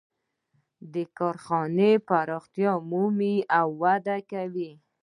د دې کارخانې پراختیا مومي او وده کوي